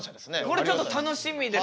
これちょっと楽しみですね。